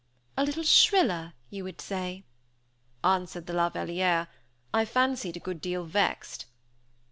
"A little shriller, you would say," answered the De la Vallière, I fancied a good deal vexed.